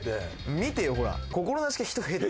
見てよほら。